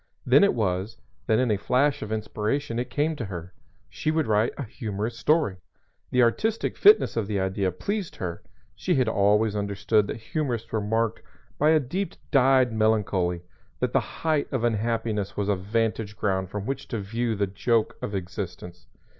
Then it was, that in a flash of inspiration, it came to her she would write a humorous story. The artistic fitness of the idea pleased her. She had always understood that humorists were marked by a deep dyed melancholy, that the height of unhappiness was a vantage ground from which to view the joke of existence.